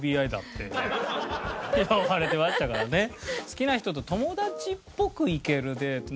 好きな人と友達っぽく行けるデート。